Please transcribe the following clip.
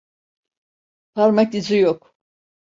Parmak izi yok.